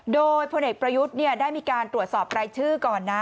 โดยพลเอกประยุทธ์ได้มีการตรวจสอบรายชื่อก่อนนะ